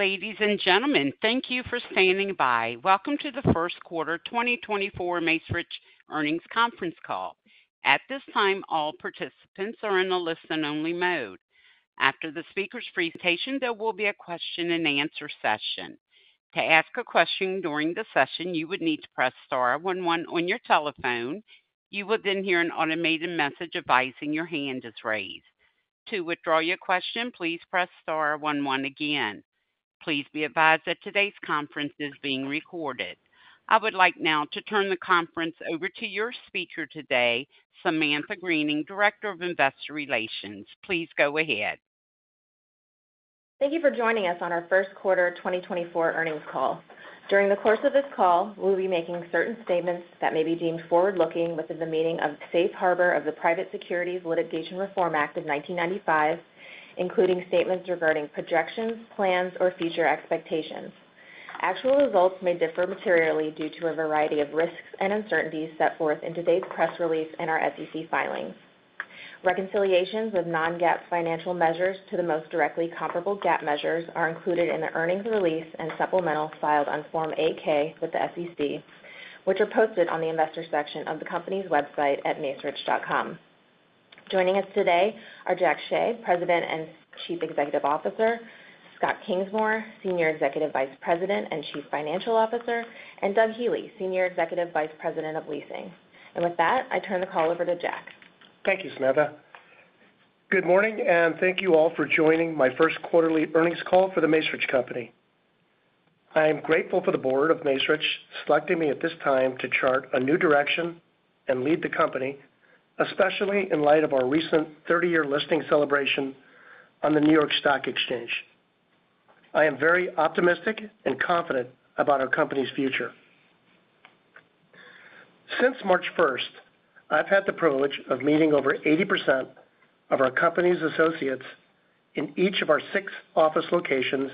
Ladies and gentlemen, thank you for standing by. Welcome to the First Quarter 2024 Macerich Earnings Conference Call. At this time, all participants are in a listen-only mode. After the speaker's presentation, there will be a question-and-answer session. To ask a question during the session, you would need to press star one one on your telephone. You will then hear an automated message advising your hand is raised. To withdraw your question, please press star one one again. Please be advised that today's conference is being recorded. I would like now to turn the conference over to your speaker today, Samantha Greening, Director of Investor Relations. Please go ahead. Thank you for joining us on our first quarter 2024 earnings call. During the course of this call, we'll be making certain statements that may be deemed forward-looking within the meaning of Safe Harbor of the Private Securities Litigation Reform Act of 1995, including statements regarding projections, plans, or future expectations. Actual results may differ materially due to a variety of risks and uncertainties set forth in today's press release and our SEC filings. Reconciliations of non-GAAP financial measures to the most directly comparable GAAP measures are included in the earnings release and supplemental filed on Form 8-K with the SEC, which are posted on the investor section of the company's website at Macerich.com. Joining us today are Jack Hsieh, President and Chief Executive Officer, Scott Kingsmore, Senior Executive Vice President and Chief Financial Officer, and Doug Healey, Senior Executive Vice President of Leasing. With that, I turn the call over to Jack. Thank you, Samantha. Good morning, and thank you all for joining my first quarterly earnings call for The Macerich Company. I am grateful for the board of Macerich, selecting me at this time to chart a new direction and lead the company, especially in light of our recent 30-year listing celebration on the New York Stock Exchange. I am very optimistic and confident about our company's future. Since March first, I've had the privilege of meeting over 80% of our company's associates in each of our six office locations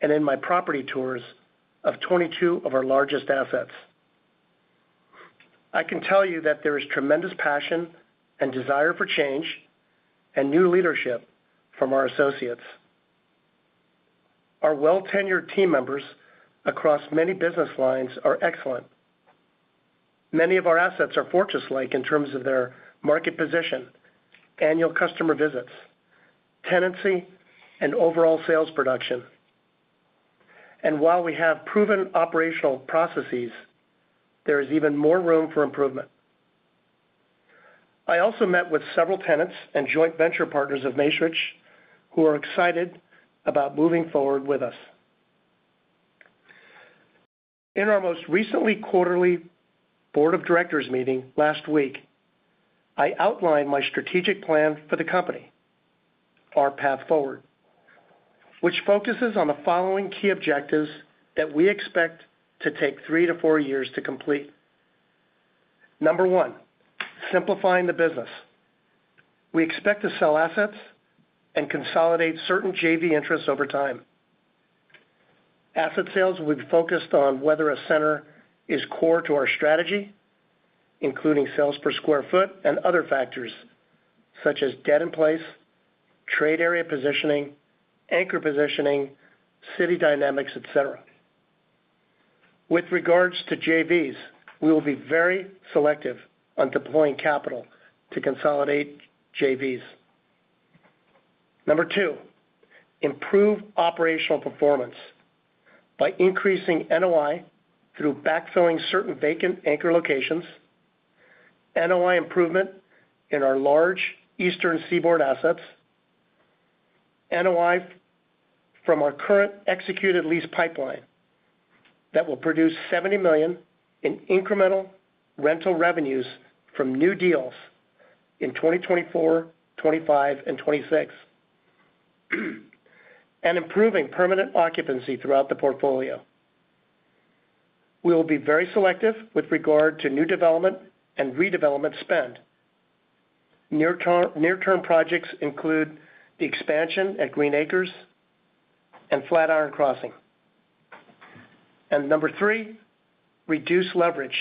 and in my property tours of 22 of our largest assets. I can tell you that there is tremendous passion and desire for change and new leadership from our associates. Our well-tenured team members across many business lines are excellent. Many of our assets are fortress-like in terms of their market position, annual customer visits, tenancy, and overall sales production. While we have proven operational processes, there is even more room for improvement. I also met with several tenants and joint venture partners of Macerich, who are excited about moving forward with us. In our most recent quarterly board of directors meeting last week, I outlined my strategic plan for the company, our path forward, which focuses on the following key objectives that we expect to take 3-4 years to complete. Number one, simplifying the business. We expect to sell assets and consolidate certain JV interests over time. Asset sales will be focused on whether a center is core to our strategy, including sales per square foot and other factors, such as debt in place, trade area positioning, anchor positioning, city dynamics, et cetera. With regards to JVs, we will be very selective on deploying capital to consolidate JVs. Number two, improve operational performance by increasing NOI through backfilling certain vacant anchor locations, NOI improvement in our large Eastern Seaboard assets, NOI from our current executed lease pipeline that will produce $70 million in incremental rental revenues from new deals in 2024, 2025, and 2026, and improving permanent occupancy throughout the portfolio. We will be very selective with regard to new development and redevelopment spend. Near-term projects include the expansion at Green Acres and Flatiron Crossing. Number three, reduce leverage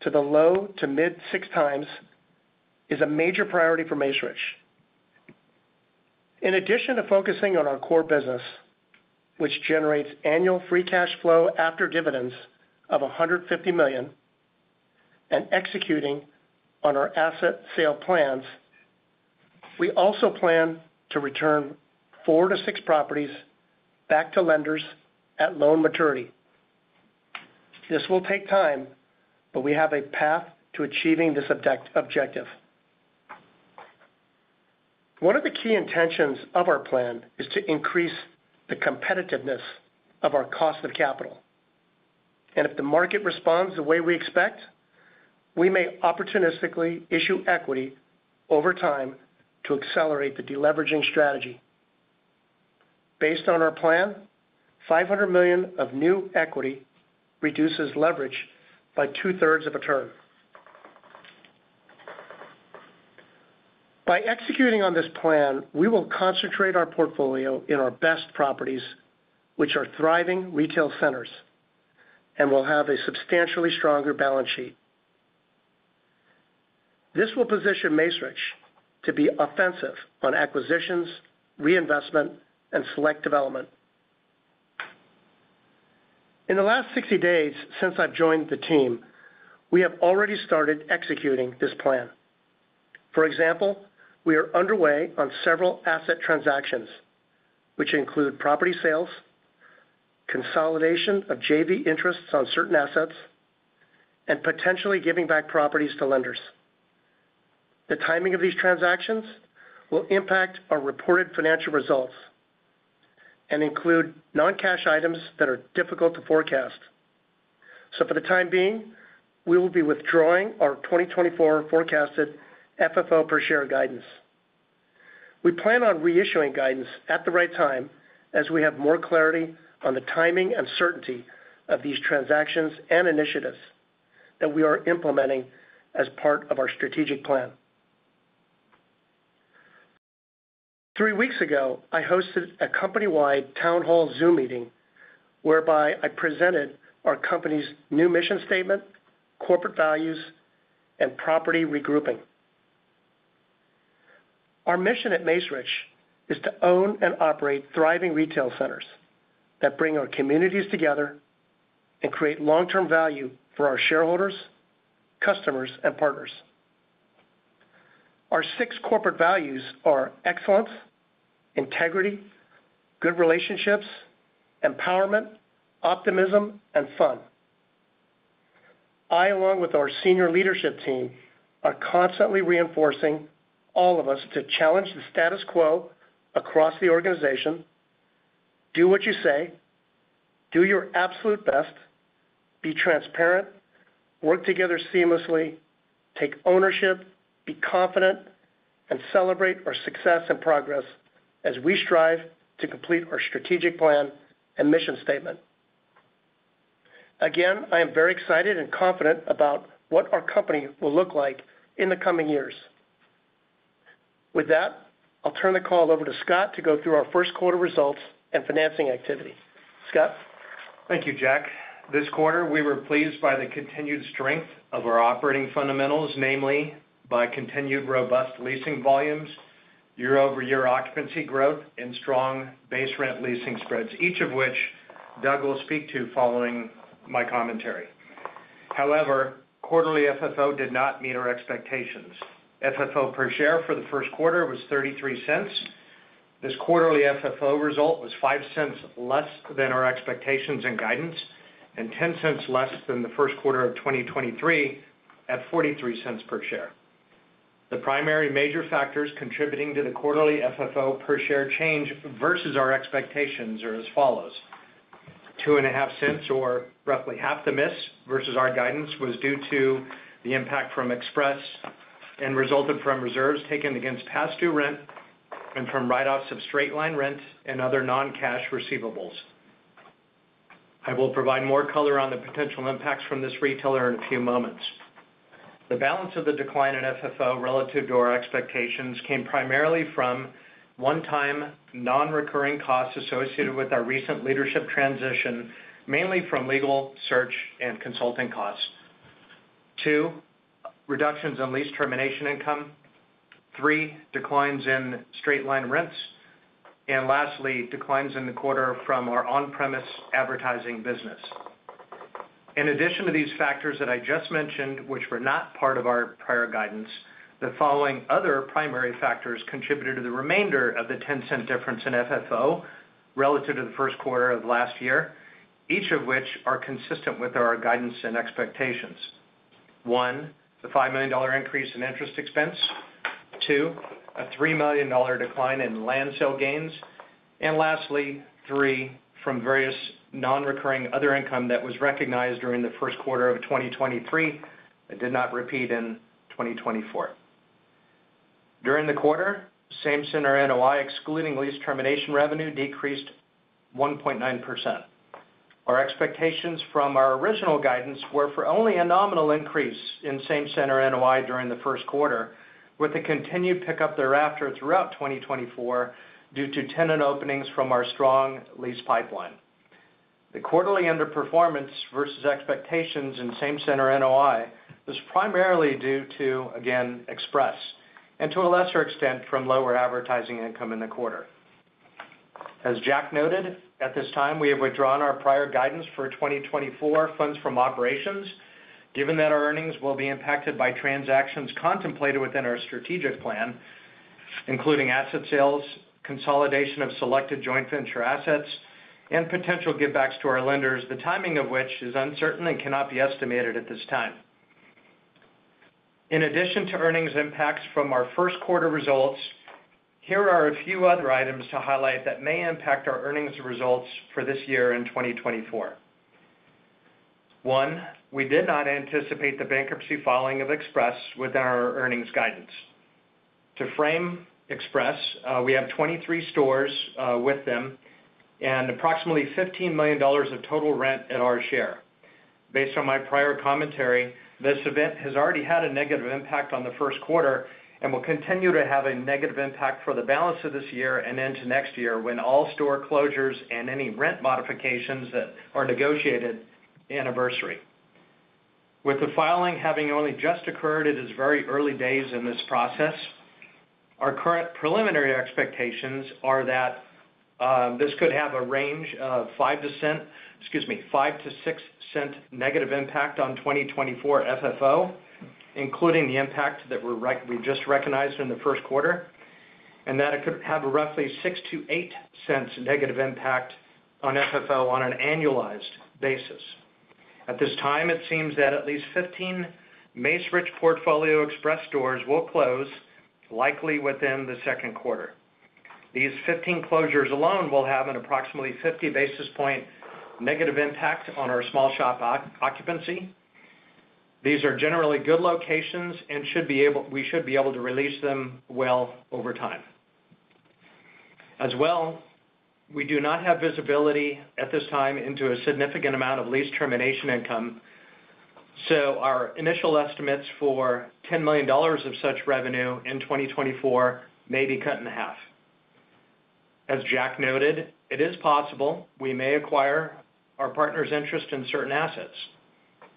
to the low- to mid-6x is a major priority for Macerich. In addition to focusing on our core business, which generates annual free cash flow after dividends of $150 million, and executing on our asset sale plans, we also plan to return 4-6 properties back to lenders at loan maturity. This will take time, but we have a path to achieving this objective. One of the key intentions of our plan is to increase the competitiveness of our cost of capital, and if the market responds the way we expect, we may opportunistically issue equity over time to accelerate the deliveraging strategy. Based on our plan, $500 million of new equity reduces leverage by two-thirds of a turn. By executing on this plan, we will concentrate our portfolio in our best properties, which are thriving retail centers, and will have a substantially stronger balance sheet. This will position Macerich to be offensive on acquisitions, reinvestment, and select development. In the last 60 days since I've joined the team, we have already started executing this plan. For example, we are underway on several asset transactions, which include property sales, consolidation of JV interests on certain assets, and potentially giving back properties to lenders. The timing of these transactions will impact our reported financial results and include non-cash items that are difficult to forecast. So for the time being, we will be withdrawing our 2024 forecasted FFO per share guidance. We plan on reissuing guidance at the right time as we have more clarity on the timing and certainty of these transactions and initiatives that we are implementing as part of our strategic plan. Three weeks ago, I hosted a company-wide town hall Zoom meeting, whereby I presented our company's new mission statement, corporate values, and property regrouping. Our mission at Macerich is to own and operate thriving retail centers that bring our communities together and create long-term value for our shareholders, customers, and partners. Our six corporate values are excellence, integrity, good relationships, empowerment, optimism, and fun. I, along with our senior leadership team, are constantly reinforcing all of us to challenge the status quo across the organization, do what you say, do your absolute best, be transparent, work together seamlessly, take ownership, be confident, and celebrate our success and progress as we strive to complete our strategic plan and mission statement. Again, I am very excited and confident about what our company will look like in the coming years. With that, I'll turn the call over to Scott to go through our first quarter results and financing activity. Scott? Thank you, Jack. This quarter, we were pleased by the continued strength of our operating fundamentals, namely by continued robust leasing volumes, year-over-year occupancy growth, and strong base rent leasing spreads, each of which Doug will speak to following my commentary. However, quarterly FFO did not meet our expectations. FFO per share for the first quarter was $0.33. This quarterly FFO result was $0.05 less than our expectations and guidance, and $0.10 less than the first quarter of 2023 at $0.43 per share. The primary major factors contributing to the quarterly FFO per share change versus our expectations are as follows: $0.025, or roughly half the miss, versus our guidance, was due to the impact from express and resulted from reserves taken against past due rent and from write-offs of straight-line rent and other non-cash receivables. I will provide more color on the potential impacts from this retailer in a few moments. The balance of the decline in FFO relative to our expectations came primarily from one-time, non-recurring costs associated with our recent leadership transition, mainly from legal, search, and consulting costs. Two, reductions in lease termination income. Three, declines in straight-line rents. And lastly, declines in the quarter from our on-premise advertising business. In addition to these factors that I just mentioned, which were not part of our prior guidance, the following other primary factors contributed to the remainder of the 10-cent difference in FFO relative to the first quarter of last year, each of which are consistent with our guidance and expectations. One, the $5 million increase in interest expense. Two, a $3 million decline in land sale gains. Lastly, three, from various non-recurring other income that was recognized during the first quarter of 2023, but did not repeat in 2024. During the quarter, same-center NOI, excluding lease termination revenue, decreased 1.9%. Our expectations from our original guidance were for only a nominal increase in same-center NOI during the first quarter, with a continued pickup thereafter throughout 2024 due to tenant openings from our strong lease pipeline. The quarterly underperformance versus expectations in same-center NOI was primarily due to, again, Express, and to a lesser extent, from lower advertising income in the quarter. As Jack noted, at this time, we have withdrawn our prior guidance for 2024 funds from operations, given that our earnings will be impacted by transactions contemplated within our strategic plan, including asset sales, consolidation of selected joint venture assets, and potential givebacks to our lenders, the timing of which is uncertain and cannot be estimated at this time. In addition to earnings impacts from our first quarter results, here are a few other items to highlight that may impact our earnings results for this year in 2024. One, we did not anticipate the bankruptcy filing of Express within our earnings guidance. To frame Express, we have 23 stores with them and approximately $15 million of total rent at our share. Based on my prior commentary, this event has already had a negative impact on the first quarter and will continue to have a negative impact for the balance of this year and into next year, when all store closures and any rent modifications that are negotiated-... anniversary. With the filing having only just occurred, it is very early days in this process. Our current preliminary expectations are that this could have a range of $0.05-$0.06 negative impact on 2024 FFO, including the impact that we're we just recognized in the first quarter, and that it could have a roughly $0.06-$0.08 negative impact on FFO on an annualized basis. At this time, it seems that at least 15 Macerich portfolio Express stores will close, likely within the second quarter. These 15 closures alone will have an approximately 50 basis point negative impact on our small shop occupancy. These are generally good locations and should be able to release them well over time. As well, we do not have visibility at this time into a significant amount of lease termination income, so our initial estimates for $10 million of such revenue in 2024 may be cut in half. As Jack noted, it is possible we may acquire our partner's interest in certain assets.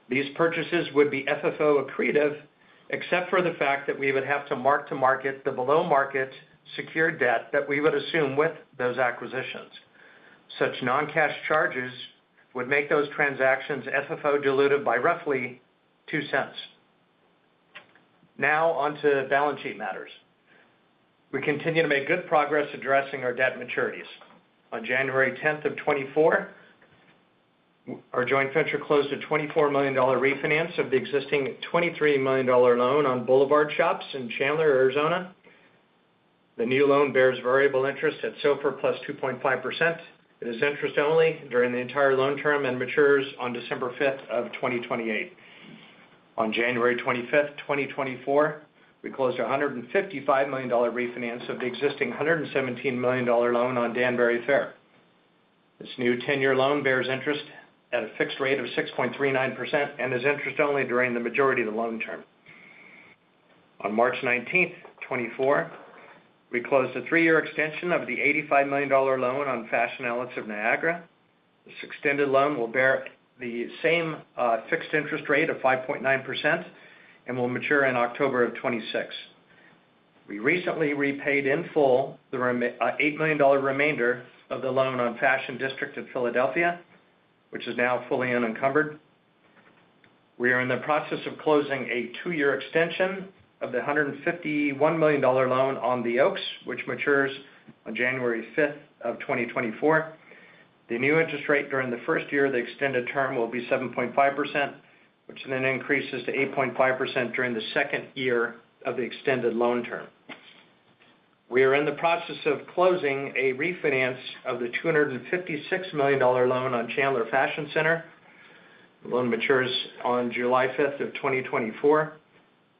These purchases would be FFO accretive, except for the fact that we would have to mark-to-market the below-market secured debt that we would assume with those acquisitions. Such non-cash charges would make those transactions FFO diluted by roughly $0.02. Now, on to balance sheet matters. We continue to make good progress addressing our debt maturities. On January 10, 2024, our joint venture closed a $24 million refinance of the existing $23 million loan on Boulevard Shops in Chandler, Arizona. The new loan bears variable interest at SOFR +2.5%. It is interest-only during the entire loan term and matures on December 5, 2028. On January 25, 2024, we closed a $155 million refinance of the existing $117 million loan on Danbury Fair. This new 10-year loan bears interest at a fixed rate of 6.39% and is interest-only during the majority of the loan term. On March 19, 2024, we closed a three year extension of the $85 million loan on Fashion outlets of Niagara. This extended loan will bear the same fixed interest rate of 5.9% and will mature in October of 2026. We recently repaid in full the remainder of the $8 million loan on Fashion District Philadelphia, which is now fully unencumbered. We are in the process of closing a two year extension of the $151 million loan on The Oaks, which matures on January fifth of 2024. The new interest rate during the first year of the extended term will be 7.5%, which then increases to 8.5% during the second year of the extended loan term. We are in the process of closing a refinance of the $256 million loan on Chandler Fashion Center. The loan matures on July 5th of 2024.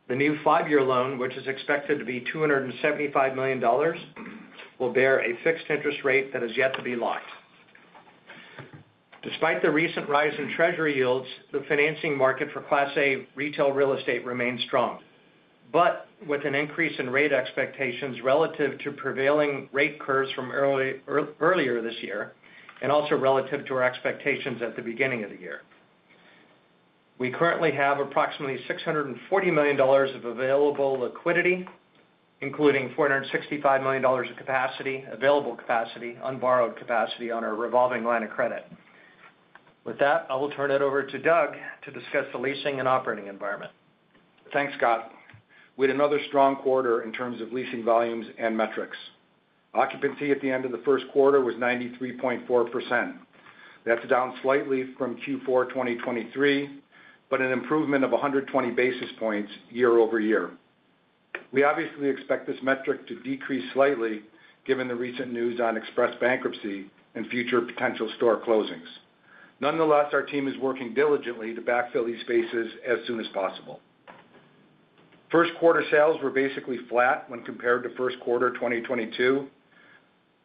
The new five-year loan, which is expected to be $275 million, will bear a fixed interest rate that is yet to be locked. Despite the recent rise in treasury yields, the financing market for Class A retail real estate remains strong, but with an increase in rate expectations relative to prevailing rate curves from earlier this year, and also relative to our expectations at the beginning of the year. We currently have approximately $640 million of available liquidity, including $465 million of capacity, available capacity, unborrowed capacity on our revolving line of credit. With that, I will turn it over to Doug to discuss the leasing and operating environment. Thanks, Scott. We had another strong quarter in terms of leasing volumes and metrics. Occupancy at the end of the first quarter was 93.4%. That's down slightly from Q4 2023, but an improvement of 120 basis points year-over-year. We obviously expect this metric to decrease slightly, given the recent news on Express bankruptcy and future potential store closings. Nonetheless, our team is working diligently to backfill these spaces as soon as possible. First quarter sales were basically flat when compared to first quarter 2022.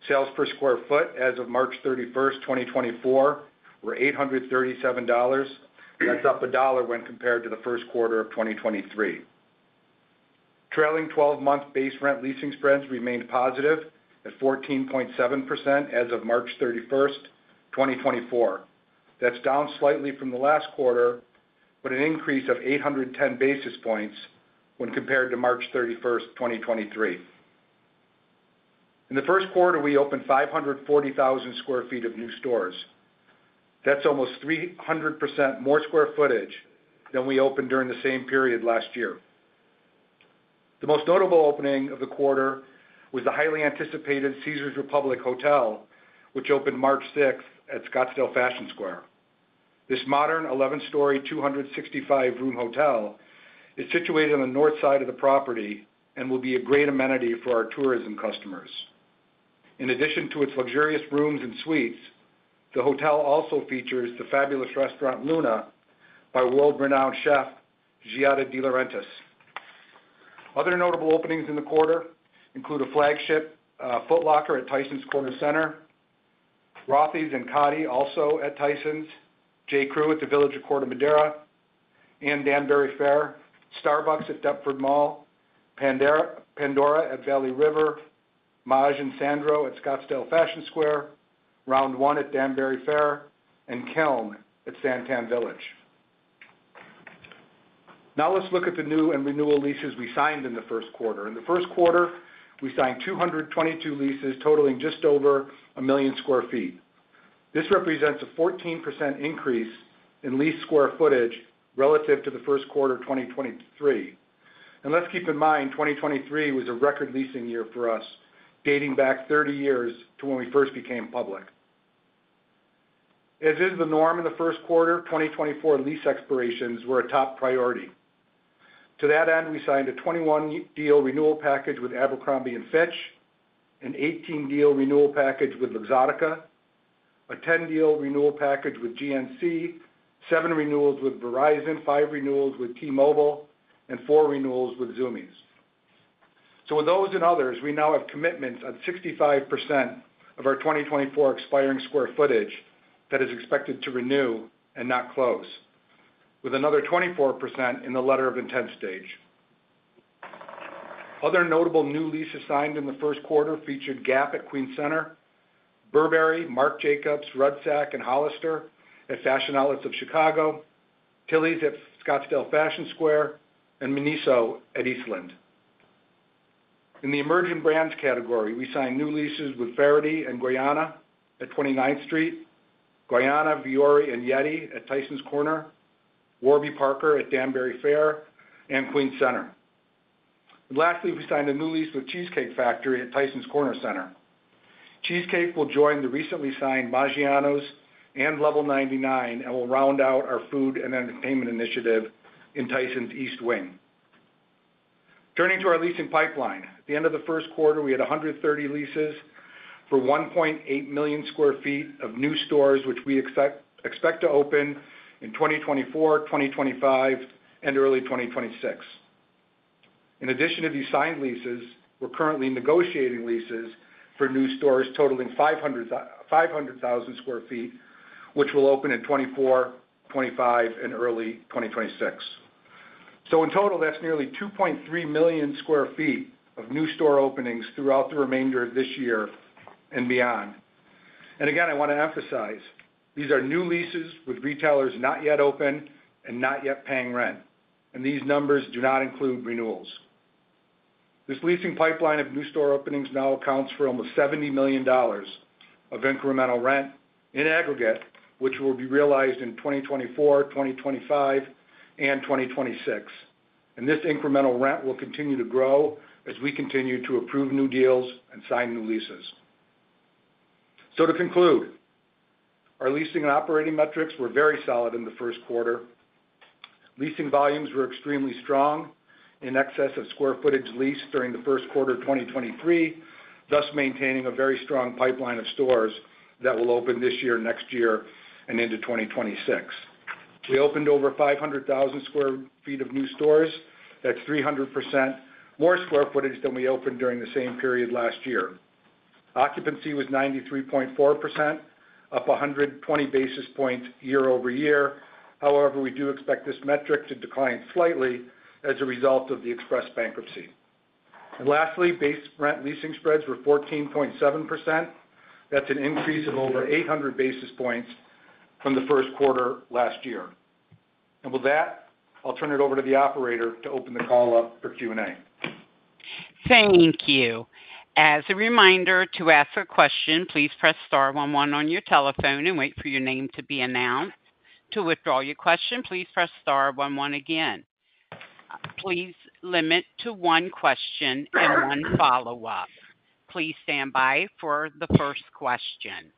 Sales per sq ft as of March 31, 2024, were $837. That's up $1 when compared to the first quarter of 2023. Trailing twelve-month base rent leasing spreads remained positive at 14.7% as of March 31, 2024. That's down slightly from the last quarter, but an increase of 810 basis points when compared to March 31, 2023. In the first quarter, we opened 540,000 sq ft of new stores. That's almost 300% more square footage than we opened during the same period last year. The most notable opening of the quarter was the highly anticipated Caesars Republic Hotel, which opened March 6 at Scottsdale Fashion Square. This modern 11-story, 265-room hotel is situated on the north side of the property and will be a great amenity for our tourism customers. In addition to its luxurious rooms and suites, the hotel also features the fabulous restaurant, Luna, by world-renowned chef, Giada De Laurentiis. Other notable openings in the quarter include a flagship Foot Locker at Tysons Corner Center, Rothy's and Khaadi also at Tysons, J.Crew at The Village at Corte Madera and Danbury Fair, Starbucks at Deptford Mall, Pandora at Valley River Center, Maje and Sandro at Scottsdale Fashion Square, Round1 at Danbury Fair, and Kalm at SanTan Village. Now let's look at the new and renewal leases we signed in the first quarter. In the first quarter, we signed 222 leases totaling just over 1 million sq ft. This represents a 14% increase in leased square footage relative to the first quarter of 2023. And let's keep in mind, 2023 was a record leasing year for us, dating back 30 years to when we first became public. As is the norm in the first quarter, 2024 lease expirations were a top priority. To that end, we signed a 21-year deal renewal package with Abercrombie & Fitch, an 18-deal renewal package with Luxottica, a 10-deal renewal package with GNC, seven renewals with Verizon, five renewals with T-Mobile, and four renewals with Zumiez. So with those and others, we now have commitments on 65% of our 2024 expiring square footage that is expected to renew and not close, with another 24% in the letter of intent stage. Other notable new leases signed in the first quarter featured Gap at Queens Center, Burberry, Marc Jacobs, Rudsak, and Hollister at Fashion Outlets of Chicago, Tillys at Scottsdale Fashion Square, and Miniso at Eastland. In the emerging brands category, we signed new leases with Faherty and gorjana at Twenty Ninth Street, gorjana, Vuori, and Yeti at Tysons Corner, Warby Parker at Danbury Fair and Queens Center. Lastly, we signed a new lease with Cheesecake Factory at Tysons Corner Center. Cheesecake will join the recently signed Maggiano's and Level99, and will round out our food and entertainment initiative in Tysons East Wing. Turning to our leasing pipeline. At the end of the first quarter, we had 130 leases for 1.8 million sq ft of new stores, which we expect to open in 2024, 2025, and early 2026. In addition to these signed leases, we're currently negotiating leases for new stores totaling 500,000 sq ft, which will open in 2024, 2025, and early 2026. So in total, that's nearly 2.3 million sq ft of new store openings throughout the remainder of this year and beyond. And again, I want to emphasize, these are new leases with retailers not yet open and not yet paying rent, and these numbers do not include renewals. This leasing pipeline of new store openings now accounts for almost $70 million of incremental rent in aggregate, which will be realized in 2024, 2025, and 2026. This incremental rent will continue to grow as we continue to approve new deals and sign new leases. So to conclude, our leasing and operating metrics were very solid in the first quarter. Leasing volumes were extremely strong, in excess of square footage leased during the first quarter of 2023, thus maintaining a very strong pipeline of stores that will open this year, next year, and into 2026. We opened over 500,000 sq ft of new stores. That's 300% more sq ft than we opened during the same period last year. Occupancy was 93.4%, up 120 basis points year-over-year. However, we do expect this metric to decline slightly as a result of the Express bankruptcy. Lastly, base rent leasing spreads were 14.7%. That's an increase of over 800 basis points from the first quarter last year. With that, I'll turn it over to the operator to open the call up for Q&A. Thank you. As a reminder, to ask a question, please press star one one on your telephone and wait for your name to be announced. To withdraw your question, please press star one one again. Please limit to one question and one follow-up. Please stand by for the first question.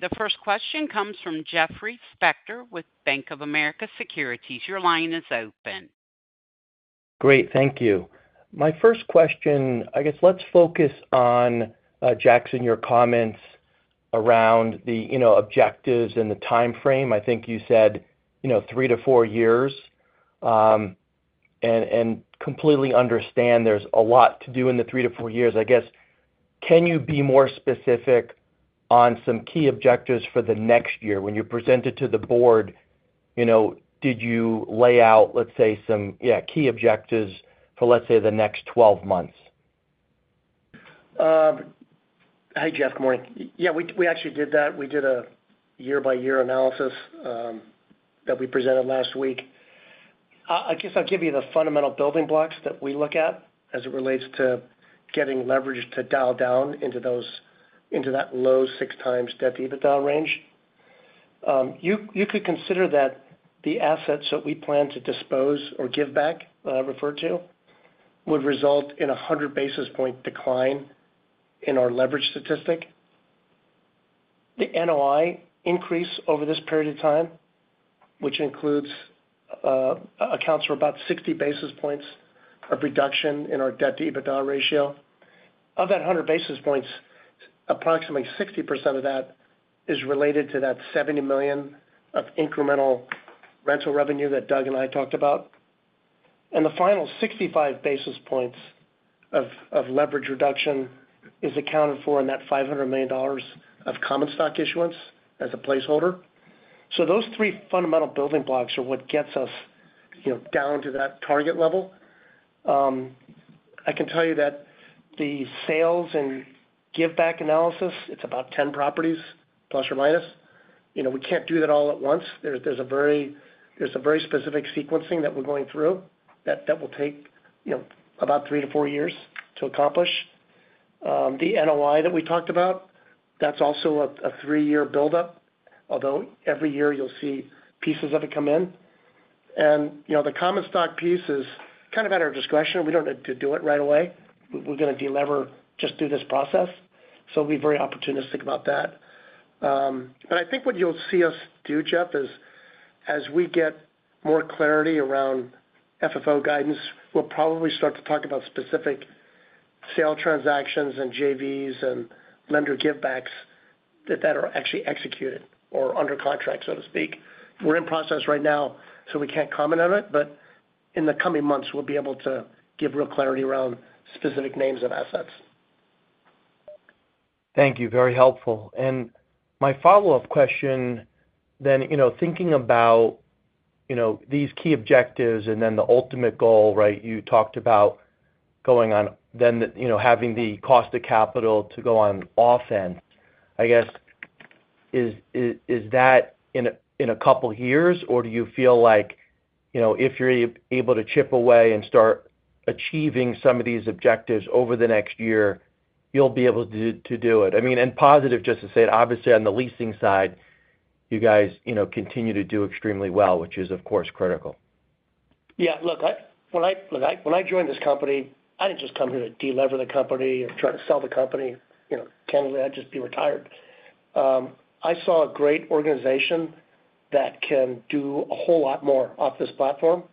The first question comes from Jeffrey Spector with Bank of America Securities. Your line is open. Great, thank you. My first question, I guess let's focus on Jackson, your comments around the, you know, objectives and the time frame. I think you said, you know, 3-4 years, and completely understand there's a lot to do in the 3-4 years. I guess, can you be more specific on some key objectives for the next year? When you presented to the board, you know, did you lay out, let's say, some, yeah, key objectives for, let's say, the next 12 months? Hi, Jeff. Good morning. Yeah, we actually did that. We did a year-by-year analysis that we presented last week. I guess I'll give you the fundamental building blocks that we look at as it relates to getting leverage to dial down into that low 6x debt-to-EBITDA range. You could consider that the assets that we plan to dispose or give back referred to would result in a 100 basis points decline in our leverage statistic. The NOI increase over this period of time, which accounts for about 60 basis points of reduction in our debt-to-EBITDA ratio. Of that 100 basis points, approximately 60% of that is related to that $70 million of incremental rental revenue that Doug and I talked about. And the final 65 basis points of leverage reduction is accounted for in that $500 million of common stock issuance as a placeholder. So those three fundamental building blocks are what gets us, you know, down to that target level. I can tell you that the sales and give back analysis, it's about 10 properties, plus or minus. You know, we can't do that all at once. There's a very specific sequencing that we're going through that will take, you know, about 3-4 years to accomplish. The NOI that we talked about, that's also a three-year buildup, although every year you'll see pieces of it come in. And, you know, the common stock piece is kind of at our discretion. We don't need to do it right away. We're gonna deliver just through this process, so we're very opportunistic about that. But I think what you'll see us do, Jeff, is as we get more clarity around FFO guidance, we'll probably start to talk about specific sale transactions and JVs and lender give backs that are actually executed or under contract, so to speak. We're in process right now, so we can't comment on it, but in the coming months, we'll be able to give real clarity around specific names of assets. Thank you. Very helpful. My follow-up question, then, you know, thinking about, you know, these key objectives and then the ultimate goal, right? You talked about going on, then, you know, having the cost of capital to go on offense. I guess, is that in a couple years, or do you feel like, you know, if you're able to chip away and start achieving some of these objectives over the next year, you'll be able to do it? I mean, and positive, just to say, obviously, on the leasing side, you guys, you know, continue to do extremely well, which is, of course, critical. Yeah, look, when I joined this company, I didn't just come here to deliver the company or try to sell the company. You know, candidly, I'd just be retired. I saw a great organization that can do a whole lot more off this platform.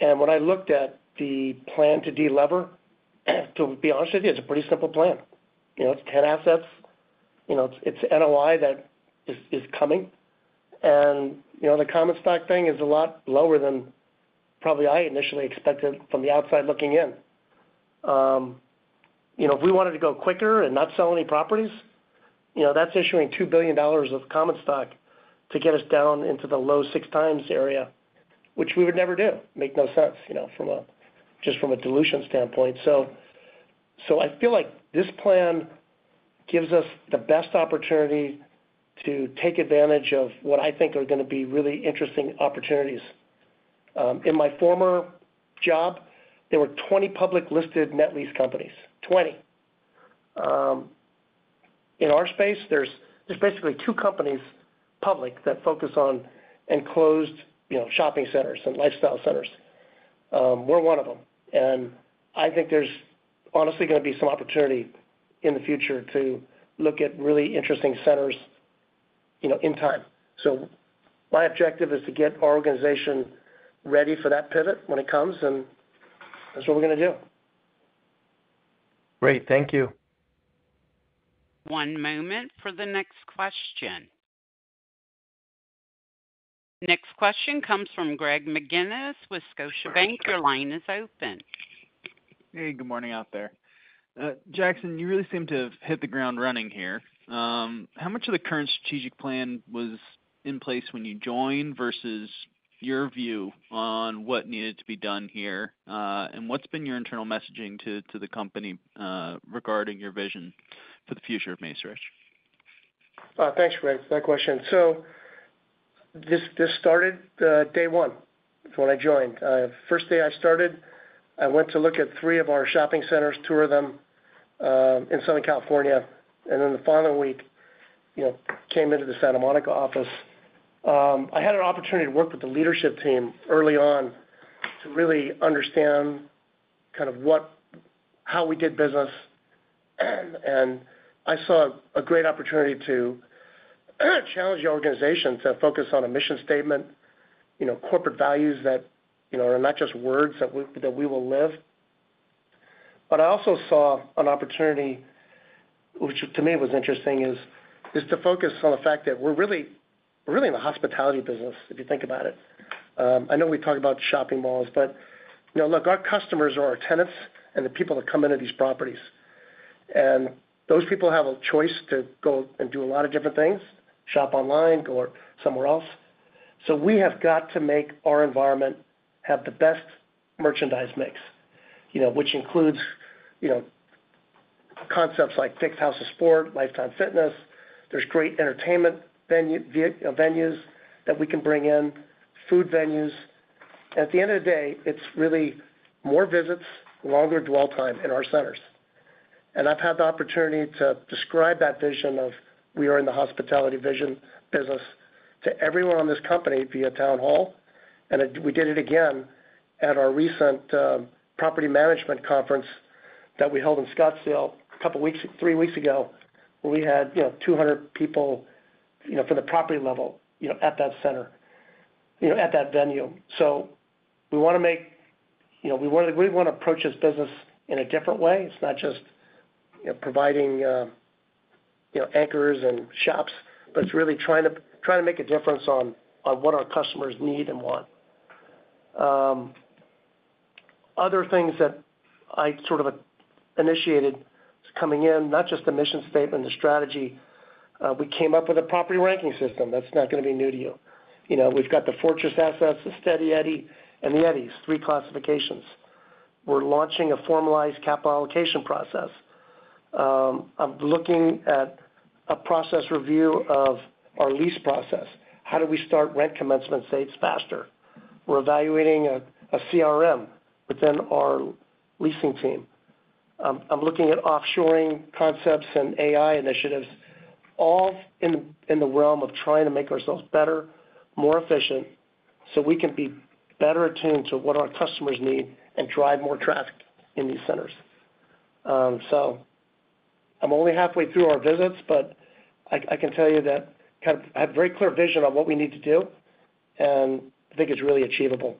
And when I looked at the plan to deliver, to be honest with you, it's a pretty simple plan. You know, it's 10 assets, you know, it's NOI that is coming. And, you know, the common stock thing is a lot lower than probably I initially expected from the outside looking in. You know, if we wanted to go quicker and not sell any properties, you know, that's issuing $2 billion of common stock to get us down into the low 6 times area, which we would never do. Makes no sense, you know, just from a dilution standpoint. So I feel like this plan gives us the best opportunity to take advantage of what I think are gonna be really interesting opportunities. In my former job, there were 20 public-listed net lease companies, 20. In our space, there's basically 2 companies, public, that focus on enclosed, you know, shopping centers and lifestyle centers. We're one of them, and I think there's honestly gonna be some opportunity in the future to look at really interesting centers, you know, in time. So my objective is to get our organization ready for that pivot when it comes, and that's what we're gonna do. Great. Thank you. One moment for the next question. Next question comes from Greg McGinniss with Scotiabank. Your line is open. Hey, good morning out there. Jackson, you really seem to have hit the ground running here. How much of the current strategic plan was in place when you joined, versus your view on what needed to be done here? And what's been your internal messaging to, to the company, regarding your vision for the future of Macerich? Thanks, Greg, for that question. So this started day one, when I joined. First day I started, I went to look at three of our shopping centers, two of them in Southern California, and then the following week, you know, came into the Santa Monica office. I had an opportunity to work with the leadership team early on to really understand kind of how we did business, and I saw a great opportunity to challenge the organization to focus on a mission statement, you know, corporate values that, you know, are not just words, that we will live. But I also saw an opportunity, which to me was interesting, is to focus on the fact that we're really in the hospitality business, if you think about it. I know we talk about shopping malls, but, you know, look, our customers are our tenants and the people that come into these properties. And those people have a choice to go and do a lot of different things, shop online, go somewhere else. So we have got to make our environment have the best merchandise mix, you know, which includes, you know, concepts like Dick's House of Sport, Life Time Fitness. There's great entertainment venues that we can bring in, food venues. At the end of the day, it's really more visits, longer dwell time in our centers. And I've had the opportunity to describe that vision of we are in the hospitality vision business to everyone on this company via town hall, and it, we did it again at our recent property management conference that we held in Scottsdale a couple weeks, three weeks ago, where we had, you know, 200 people, you know, from the property level, you know, at that center, you know, at that venue. So we wanna make. You know, we wanna, we wanna approach this business in a different way. It's not just, you know, providing, you know, anchors and shops, but it's really trying to, trying to make a difference on, on what our customers need and want. Other things that I sort of initiated coming in, not just the mission statement, the strategy, we came up with a property ranking system. That's not gonna be new to you. You know, we've got the fortress assets, the steady eddy, and the eddies, three classifications. We're launching a formalized capital allocation process. I'm looking at a process review of our lease process. How do we start rent commencement dates faster? We're evaluating a CRM within our leasing team. I'm looking at offshoring concepts and AI initiatives, all in the realm of trying to make ourselves better, more efficient, so we can be better attuned to what our customers need and drive more traffic in these centers. So I'm only halfway through our visits, but I can tell you that kind of, I have very clear vision on what we need to do, and I think it's really achievable.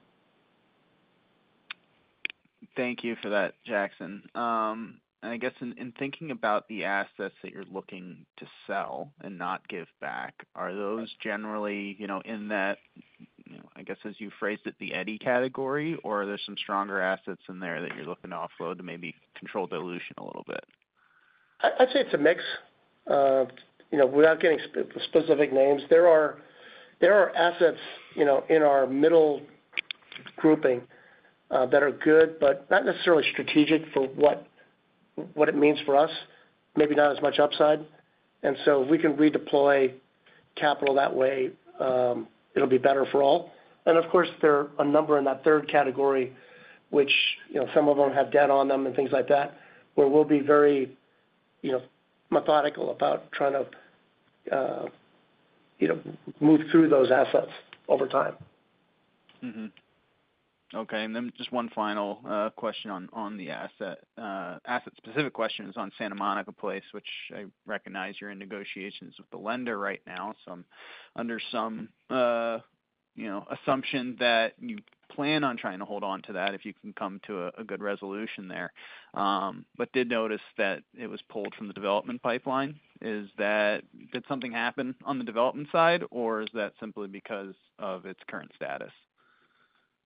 Thank you for that, Jackson. I guess in thinking about the assets that you're looking to sell and not give back, are those generally, you know, in that, you know, I guess as you phrased it, the eddy category, or are there some stronger assets in there that you're looking to offload to maybe control dilution a little bit? I'd say it's a mix of, you know, without getting specific names, there are assets, you know, in our middle grouping, that are good, but not necessarily strategic for what it means for us, maybe not as much upside. And so if we can redeploy capital that way, it'll be better for all. And of course, there are a number in that third category, which, you know, some of them have debt on them and things like that, where we'll be very, you know, methodical about trying to, you know, move through those assets over time. Mm-hmm. Okay, and then just one final question on the asset. Asset-specific question is on Santa Monica Place, which I recognize you're in negotiations with the lender right now. So I'm under some, you know, assumption that you plan on trying to hold on to that if you can come to a good resolution there. But did notice that it was pulled from the development pipeline. Is that. Did something happen on the development side, or is that simply because of its current status?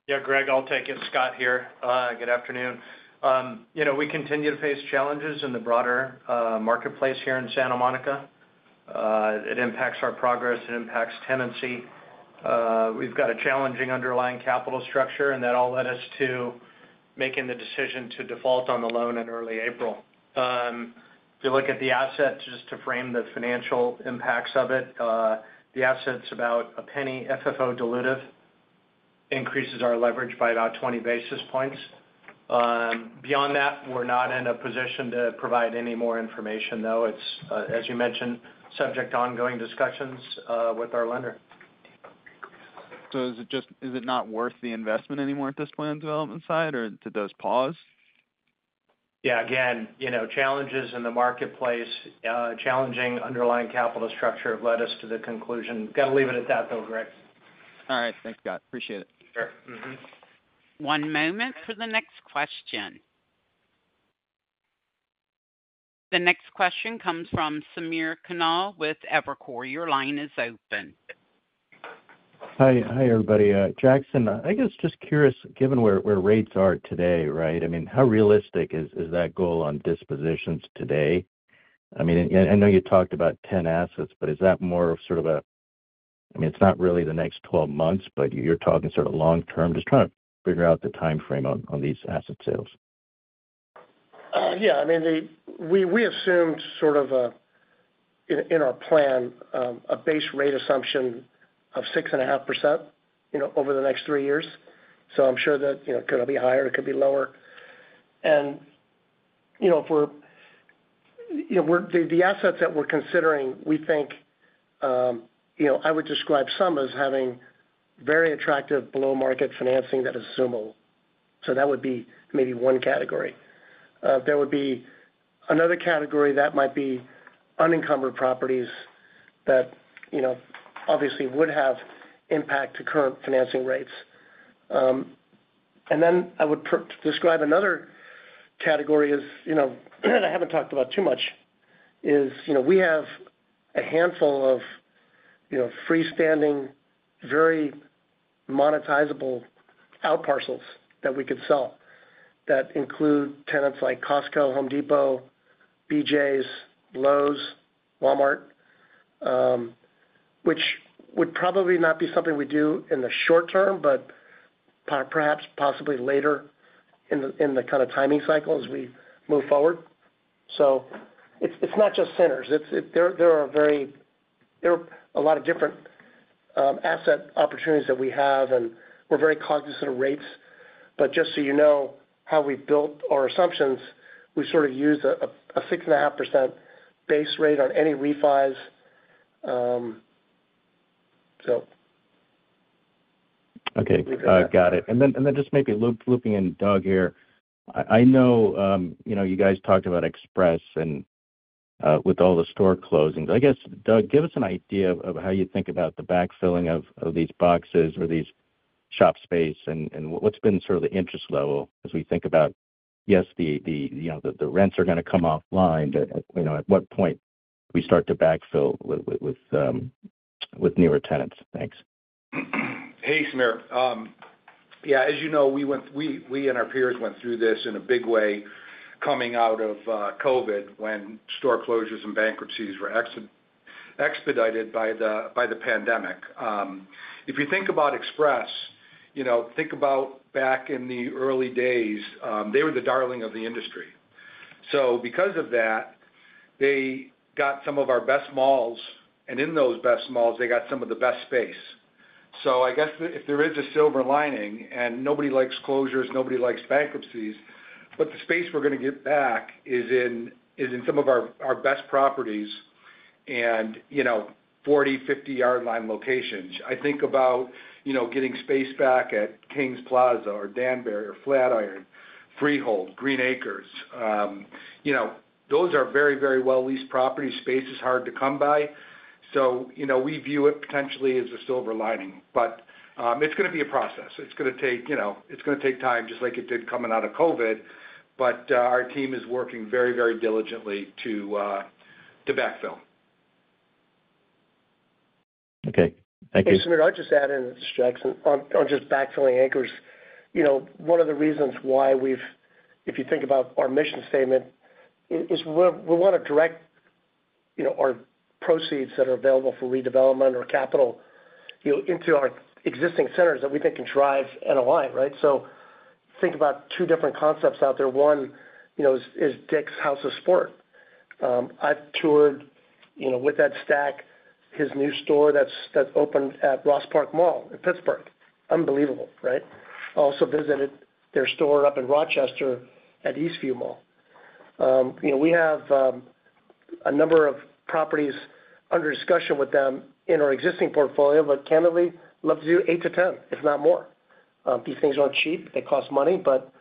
Yeah, Greg, I'll take it. Scott here. Good afternoon. You know, we continue to face challenges in the broader marketplace here in Santa Monica. It impacts our progress, it impacts tenancy. We've got a challenging underlying capital structure, and that all led us to making the decision to default on the loan in early April. If you look at the asset, just to frame the financial impacts of it, the asset's about $0.01 FFO dilutive, increases our leverage by about 20 basis points. Beyond that, we're not in a position to provide any more information, though. It's, as you mentioned, subject to ongoing discussions with our lender. So is it not worth the investment anymore at this point on the development side, or did those pause? Yeah, again, you know, challenges in the marketplace, challenging underlying capital structure led us to the conclusion. Gotta leave it at that, though, Greg. All right. Thanks, Scott. Appreciate it. Sure. Mm-hmm. One moment for the next question. The next question comes from Samir Khanal with Evercore. Your line is open. Hi, hi, everybody. Jackson, I guess just curious, given where rates are today, right? I mean, how realistic is that goal on dispositions today? I mean, and I know you talked about 10 assets, but is that more of sort of a... I mean, it's not really the next 12 months, but you're talking sort of long term. Just trying to figure out the timeframe on these asset sales. Yeah, I mean, we assumed sort of a, in our plan, a base rate assumption of 6.5%, you know, over the next three years. So I'm sure that, you know, it could be higher, it could be lower. And, you know, if we're the assets that we're considering, we think, you know, I would describe some as having very attractive below-market financing that is assumable. So that would be maybe one category. There would be another category that might be unencumbered properties that, you know, obviously would have impact to current financing rates. And then I would describe another category as, you know, I haven't talked about too much, is, you know, we have a handful of, you know, freestanding, very monetizable outparcels that we could sell, that include tenants like Costco, Home Depot, BJ's, Lowe's, Walmart, which would probably not be something we do in the short term, but perhaps, possibly later in the, in the kind of timing cycle as we move forward. So it's, it's not just centers. It's, there, there are very there are a lot of different, asset opportunities that we have, and we're very cognizant of rates. But just so you know, how we've built our assumptions, we sort of used a, a 6.5% base rate on any refis. Okay, got it. And then just maybe loop in Doug here. I know, you know, you guys talked about Express and with all the store closings. I guess, Doug, give us an idea of how you think about the backfilling of these boxes or shop space and what's been sort of the interest level as we think about the rents are gonna come offline, but you know, at what point do we start to backfill with newer tenants? Thanks. Hey, Samir. Yeah, as you know, we and our peers went through this in a big way coming out of COVID, when store closures and bankruptcies were expedited by the pandemic. If you think about Express, you know, think about back in the early days, they were the darling of the industry. So because of that, they got some of our best malls, and in those best malls, they got some of the best space. So I guess if there is a silver lining, and nobody likes closures, nobody likes bankruptcies, but the space we're gonna get back is in some of our best properties and, you know, 40-50 yard line locations. I think about, you know, getting space back at Kings Plaza or Danbury or Flatiron, Freehold, Green Acres. You know, those are very, very well-leased properties. Space is hard to come by, so, you know, we view it potentially as a silver lining. But, it's gonna be a process. It's gonna take, you know, it's gonna take time, just like it did coming out of COVID, but, our team is working very, very diligently to backfill. Okay, thank you. Hey, Samir, I'll just add in, this is Jackson, on just backfilling anchors. You know, one of the reasons why we've... If you think about our mission statement, is we're, we wanna direct, you know, our proceeds that are available for redevelopment or capital, you know, into our existing centers that we think can drive and align, right? So think about two different concepts out there. One, you know, is Dick's House of Sport. I've toured, you know, with that stack, his new store that's opened at Ross Park Mall in Pittsburgh. Unbelievable, right? Also visited their store up in Rochester at Eastview Mall. You know, we have a number of properties under discussion with them in our existing portfolio, but candidly, love to do 8-10, if not more. These things aren't cheap, they cost money, but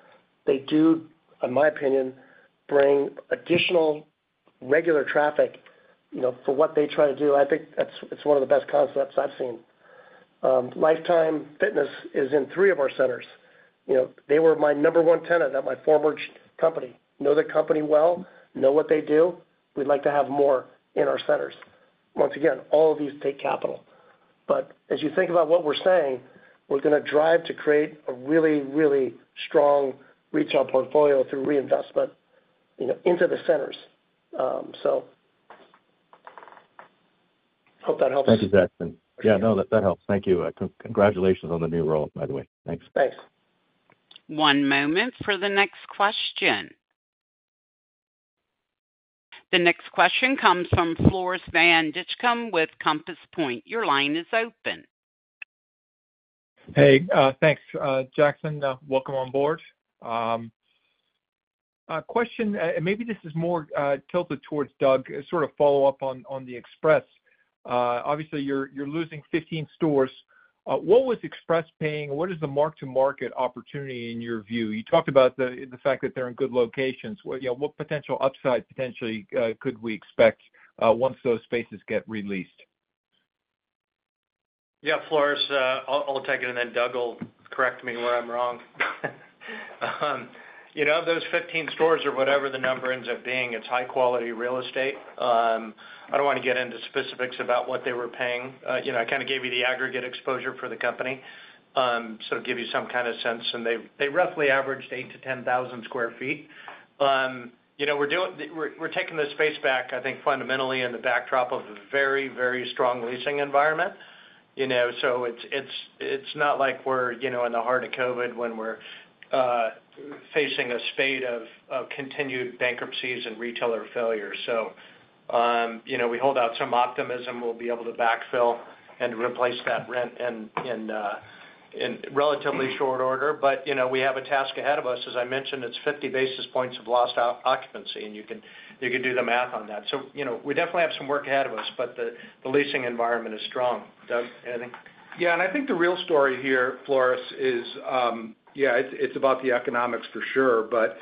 they do, in my opinion, bring additional regular traffic, you know, for what they try to do. I think that's one of the best concepts I've seen. Life Time is in three of our centers. You know, they were my number one tenant at my former company. Know the company well, know what they do. We'd like to have more in our centers. Once again, all of these take capital. But as you think about what we're saying, we're gonna drive to create a really, really strong retail portfolio through reinvestment, you know, into the centers. So hope that helps. Thank you, Jackson. Yeah, no, that, that helps. Thank you. Congratulations on the new role, by the way. Thanks. Thanks. One moment for the next question. The next question comes from Floris Van Dijkum with Compass Point. Your line is open. Hey, thanks, Jackson. Welcome on board. A question, and maybe this is more tilted towards Doug, a sort of follow-up on the Express. Obviously, you're losing 15 stores. What was Express paying? What is the mark-to-market opportunity in your view? You talked about the fact that they're in good locations. What, you know, what potential upside, potentially, could we expect once those spaces get re-leased? Yeah, Floris, I'll take it, and then Doug will correct me where I'm wrong. You know, those 15 stores or whatever the number ends up being, it's high-quality real estate. I don't want to get into specifics about what they were paying. You know, I kind of gave you the aggregate exposure for the company, so to give you some kind of sense, and they roughly averaged 8-10,000 sq ft. You know, we're doing, we're taking the space back, I think, fundamentally in the backdrop of a very, very strong leasing environment. You know, so it's not like we're, you know, in the heart of COVID, when we're facing a spate of continued bankruptcies and retailer failures. So, you know, we hold out some optimism we'll be able to backfill and replace that rent in, in, in relatively short order. But, you know, we have a task ahead of us. As I mentioned, it's 50 basis points of lost occupancy, and you can, you can do the math on that. So, you know, we definitely have some work ahead of us, but the, the leasing environment is strong. Doug, anything? Yeah, and I think the real story here, Floris, is, yeah, it's, it's about the economics for sure, but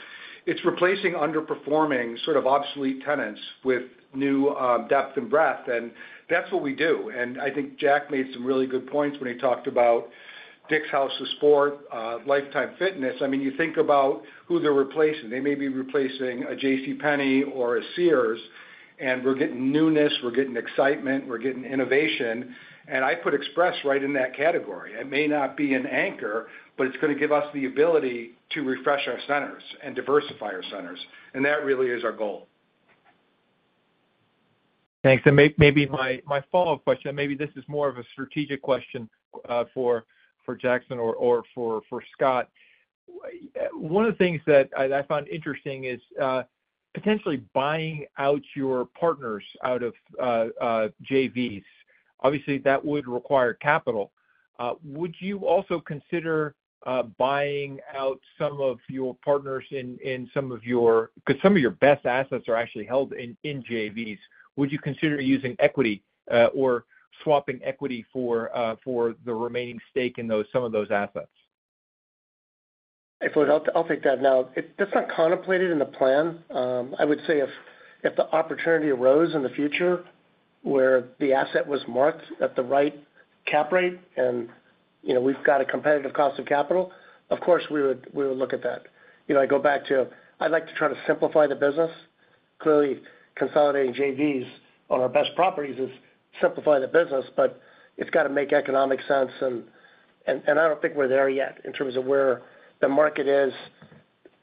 it's replacing underperforming, sort of obsolete tenants with new, depth and breadth, and that's what we do. And I think Jack made some really good points when he talked about Dick's House of Sport, Life Time. I mean, you think about who they're replacing. They may be replacing a JCPenney or a Sears, and we're getting newness, we're getting excitement, we're getting innovation, and I put Express right in that category. It may not be an anchor, but it's gonna give us the ability to refresh our centers and diversify our centers, and that really is our goal. Thanks. Maybe my follow-up question, maybe this is more of a strategic question, for Jackson or for Scott. One of the things that I found interesting is potentially buying out your partners out of JVs. Obviously, that would require capital. Would you also consider buying out some of your partners in some of your... 'Cause some of your best assets are actually held in JVs. Would you consider using equity or swapping equity for the remaining stake in those, some of those assets?... If it was, I'll take that. Now, it-- that's not contemplated in the plan. I would say if the opportunity arose in the future where the asset was marked at the right cap rate and, you know, we've got a competitive cost of capital, of course, we would look at that. You know, I go back to, I'd like to try to simplify the business. Clearly, consolidating JVs on our best properties is simplifying the business, but it's gotta make economic sense, and I don't think we're there yet in terms of where the market is,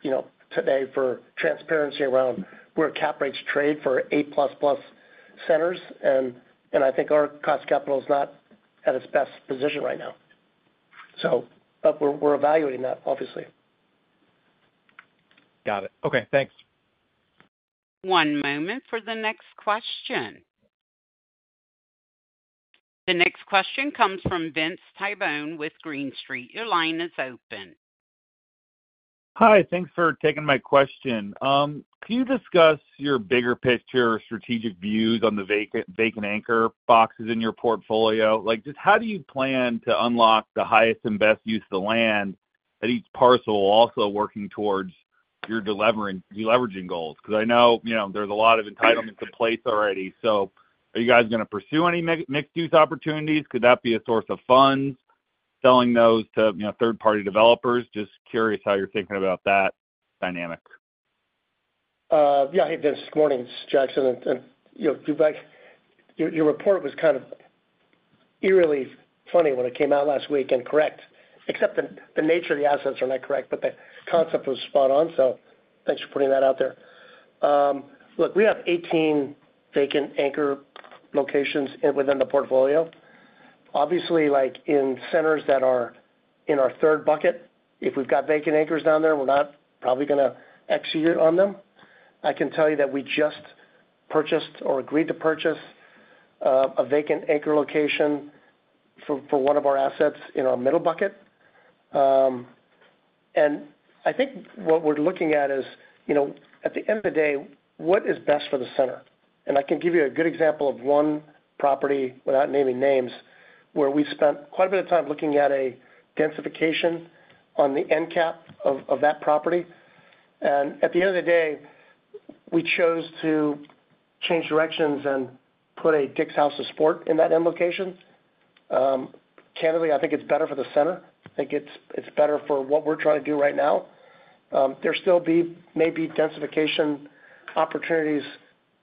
you know, today for transparency around where cap rates trade for A++ centers. And I think our cost capital is not at its best position right now, so, but we're evaluating that, obviously. Got it. Okay, thanks. One moment for the next question. The next question comes from Vince Tibone with Green Street. Your line is open. Hi, thanks for taking my question. Can you discuss your bigger picture or strategic views on the vacant anchor boxes in your portfolio? Like, just how do you plan to unlock the highest and best use of the land at each parcel, also working towards your deliveraging goals? Because I know, you know, there's a lot of entitlements in place already. So are you guys gonna pursue any mixed-use opportunities? Could that be a source of funds, selling those to, you know, third-party developers? Just curious how you're thinking about that dynamic. Yeah. Hey, Vince, good morning. It's Jackson, and you know, to be back, your report was kind of eerily funny when it came out last week, and correct, except the nature of the assets are not correct, but the concept was spot on. So thanks for putting that out there. Look, we have 18 vacant anchor locations within the portfolio. Obviously, like, in centers that are in our third bucket, if we've got vacant anchors down there, we're not probably gonna execute on them. I can tell you that we just purchased or agreed to purchase a vacant anchor location for one of our assets in our middle bucket. And I think what we're looking at is, you know, at the end of the day, what is best for the center? And I can give you a good example of one property, without naming names, where we spent quite a bit of time looking at a densification on the end cap of that property. And at the end of the day, we chose to change directions and put a Dick's House of Sport in that end location. Candidly, I think it's better for the center. I think it's better for what we're trying to do right now. There may be densification opportunities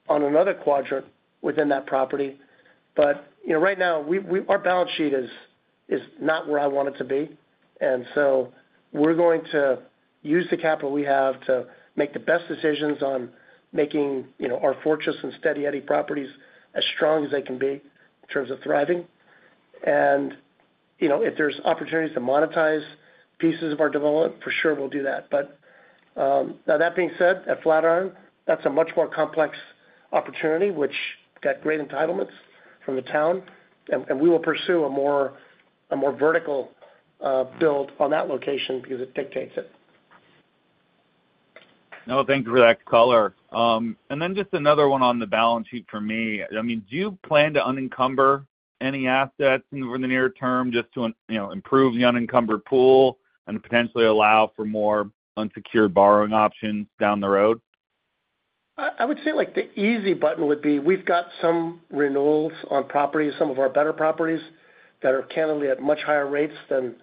on another quadrant within that property, but you know, right now, our balance sheet is not where I want it to be, and so we're going to use the capital we have to make the best decisions on making, you know, our fortress and steady Eddie properties as strong as they can be in terms of thriving. You know, if there's opportunities to monetize pieces of our development, for sure we'll do that. But now, that being said, at Flatiron, that's a much more complex opportunity, which got great entitlements from the town, and we will pursue a more vertical build on that location because it dictates it. No, thank you for that color. And then just another one on the balance sheet for me. I mean, do you plan to unencumber any assets in the near term just to, you know, improve the unencumbered pool and potentially allow for more unsecured borrowing options down the road? I would say, like, the easy button would be, we've got some renewals on properties, some of our better properties, that are candidly at much higher rates than,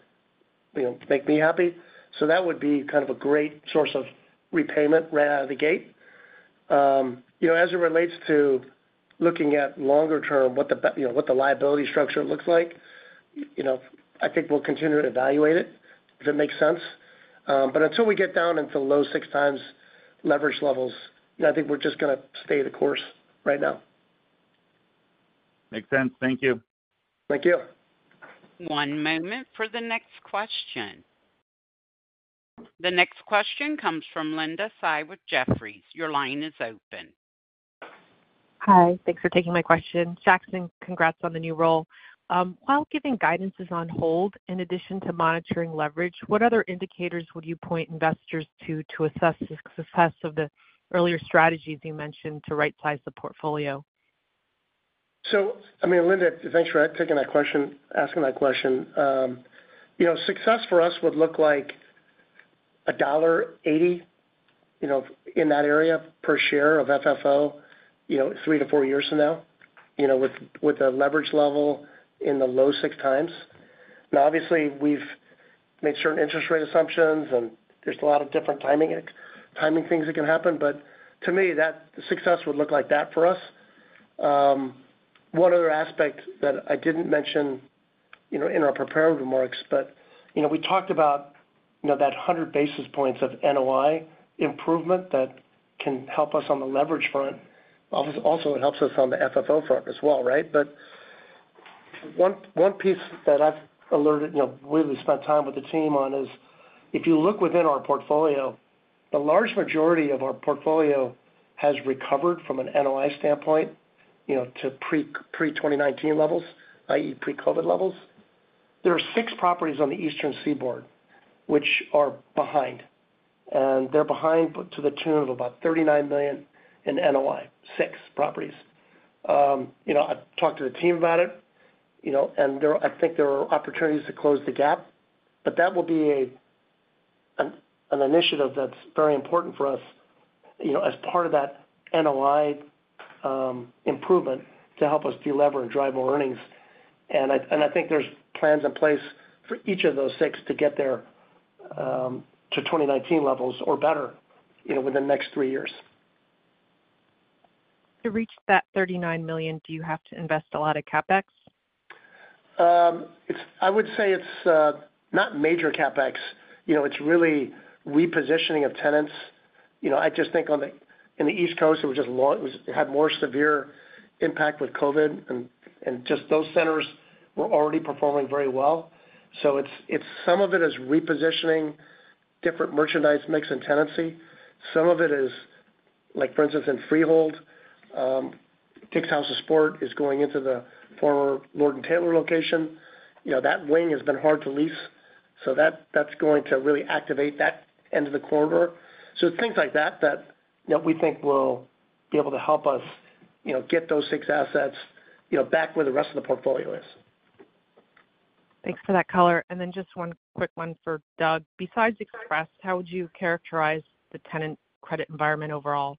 you know, make me happy. So that would be kind of a great source of repayment right out of the gate. You know, as it relates to looking at longer term, what the liability structure looks like, you know, I think we'll continue to evaluate it, if it makes sense. But until we get down into the low 6x leverage levels, I think we're just gonna stay the course right now. Makes sense. Thank you. Thank you. One moment for the next question. The next question comes from Linda Tsai with Jefferies. Your line is open. Hi, thanks for taking my question. Jackson, congrats on the new role. While giving guidance is on hold, in addition to monitoring leverage, what other indicators would you point investors to, to assess the success of the earlier strategies you mentioned to rightsize the portfolio? So, I mean, Linda, thanks for taking that question, asking that question. You know, success for us would look like $1.80, you know, in that area, per share of FFO, you know, 3-4 years from now, you know, with, with a leverage level in the low 6x. Now, obviously, we've made certain interest rate assumptions, and there's a lot of different timing things that can happen. But to me, that success would look like that for us. One other aspect that I didn't mention, you know, in our prepared remarks, but, you know, we talked about, you know, that 100 basis points of NOI improvement that can help us on the leverage front. Obviously, also, it helps us on the FFO front as well, right? But one piece that I've alerted, you know, we spent time with the team on is, if you look within our portfolio, the large majority of our portfolio has recovered from an NOI standpoint, you know, to pre-2019 levels, i.e., pre-COVID levels. There are 6 properties on the eastern seaboard which are behind, and they're behind, but to the tune of about $39 million in NOI, 6 properties. You know, I've talked to the team about it, you know, and there, I think there are opportunities to close the gap, but that will be an initiative that's very important for us, you know, as part of that NOI improvement to help us deliver and drive more earnings. I think there's plans in place for each of those six to get there to 2019 levels or better, you know, within the next three years. To reach that $39 million, do you have to invest a lot of CapEx? I would say it's not major CapEx. You know, it's really repositioning of tenants. You know, I just think in the East Coast, it was just it was, it had more severe impact with COVID, and just those centers were already performing very well. So it's, it's some of it is repositioning different merchandise mix and tenancy. Some of it is like, for instance, in Freehold, Dick's House of Sport is going into the former Lord & Taylor location. You know, that wing has been hard to lease, so that's going to really activate that end of the corridor. So things like that, you know, we think will be able to help us, you know, get those six assets, you know, back where the rest of the portfolio is. Thanks for that color. And then just one quick one for Doug. Besides Express, how would you characterize the tenant credit environment overall?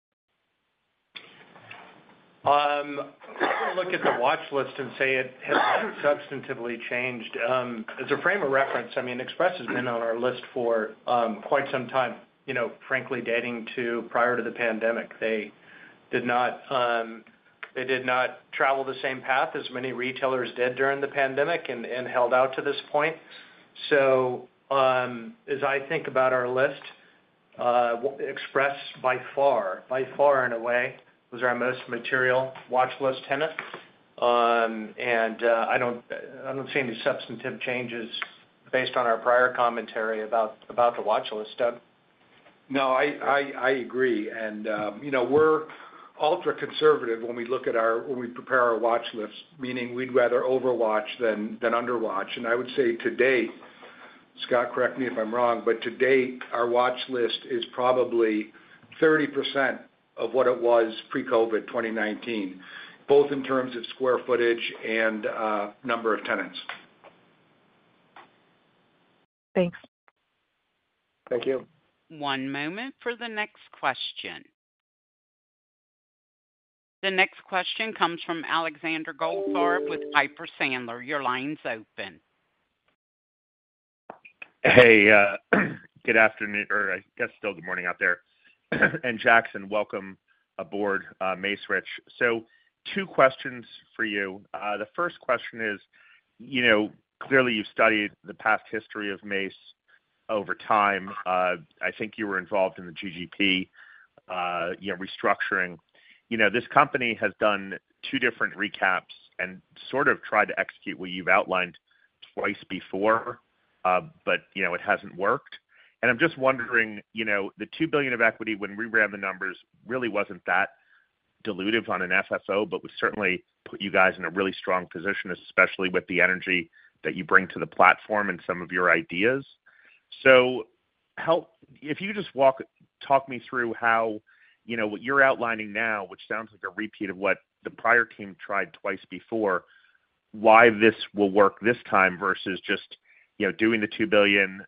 Look at the watchlist and say it has substantively changed. As a frame of reference, I mean, Express has been on our list for quite some time, you know, frankly, dating to prior to the pandemic. They did not, they did not travel the same path as many retailers did during the pandemic and, and held out to this point. So, as I think about our list, Express by far, by far, in a way, was our most material watchlist tenant. And, I don't, I don't see any substantive changes based on our prior commentary about, about the watchlist, Doug. No, I agree. And you know, we're ultra-conservative when we prepare our watchlist, meaning we'd rather overwatch than under watch. And I would say to date, Scott, correct me if I'm wrong, but to date, our watchlist is probably 30% of what it was pre-COVID, 2019, both in terms of square footage and number of tenants. Thanks. Thank you. One moment for the next question. The next question comes from Alexander Goldfarb with Piper Sandler. Your line's open. Hey, good afternoon, or I guess, still good morning out there. And Jackson, welcome aboard, Macerich. So two questions for you. The first question is, you know, clearly, you've studied the past history of Mace over time. I think you were involved in the GGP, you know, restructuring. You know, this company has done two different recaps and sort of tried to execute what you've outlined twice before, but, you know, it hasn't worked. And I'm just wondering, you know, the $2 billion of equity when we ran the numbers, really wasn't that dilutive on an FFO, but would certainly put you guys in a really strong position, especially with the energy that you bring to the platform and some of your ideas. So help-- if you just walk. Talk me through how you know, what you're outlining now, which sounds like a repeat of what the prior team tried twice before, why this will work this time versus just, you know, doing the $2 billion,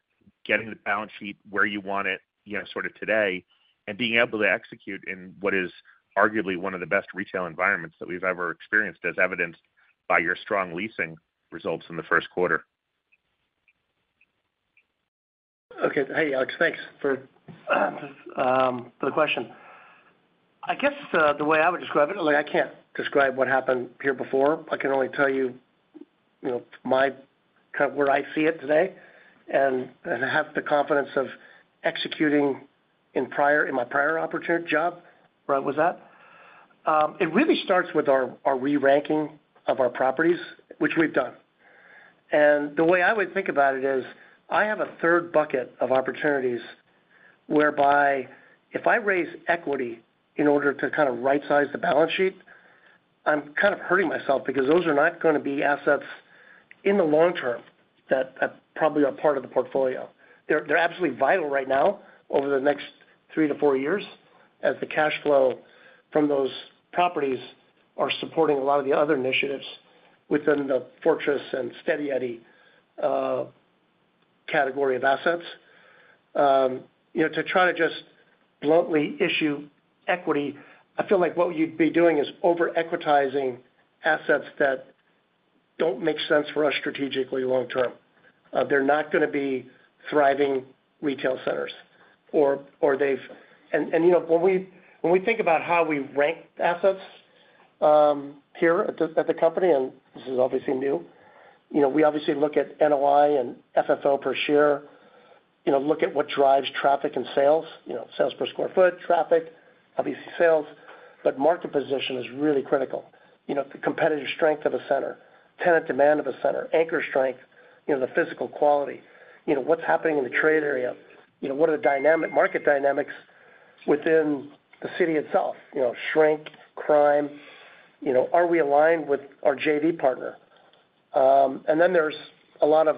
getting the balance sheet where you want it, you know, sort of today, and being able to execute in what is arguably one of the best retail environments that we've ever experienced, as evidenced by your strong leasing results in the first quarter? Okay. Hey, Alex, thanks for the question. I guess the way I would describe it, look, I can't describe what happened here before. I can only tell you, you know, my kind of where I see it today, and have the confidence of executing in my prior opportunity job, where I was at. It really starts with our re-ranking of our properties, which we've done. And the way I would think about it is, I have a third bucket of opportunities whereby if I raise equity in order to kind of rightsize the balance sheet, I'm kind of hurting myself because those are not gonna be assets in the long term that probably are part of the portfolio. They're absolutely vital right now over the next 3-4 years, as the cash flow from those properties are supporting a lot of the other initiatives within the fortress and steady eddy category of assets. You know, to try to just bluntly issue equity, I feel like what you'd be doing is over-equitizing assets that don't make sense for us strategically long term. They're not gonna be thriving retail centers or they've. You know, when we think about how we rank assets, here at the company, and this is obviously new, you know, we obviously look at NOI and FFO per share, you know, look at what drives traffic and sales, you know, sales per square foot, traffic, obviously sales, but market position is really critical. You know, the competitive strength of a center, tenant demand of a center, anchor strength, you know, the physical quality. You know, what's happening in the trade area? You know, what are the dynamics, market dynamics within the city itself? You know, shrink, crime. You know, are we aligned with our JV partner? And then there's a lot of,